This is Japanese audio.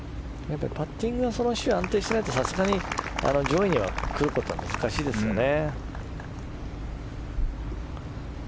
パッティングが安定していないとさすがに上位には来ることは難しいですよね。